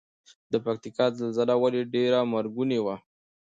د پکتیکا زلزله ولې ډیره مرګونې وه؟